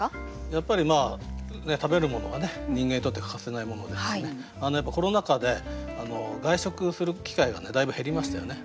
やっぱり食べるものは人間にとって欠かせないものですしねコロナ禍で外食する機会がだいぶ減りましたよね。